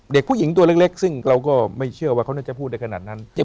เด็กผู้หญิงตัวเล็กซึ่งเราก็ไม่เชื่อว่าเขาน่าจะพูดได้ขนาดนั้น